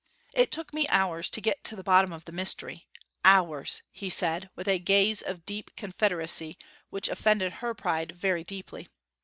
'It took me hours to get to the bottom of the mystery hours!' he said with a gaze of deep confederacy which offended her pride very deeply.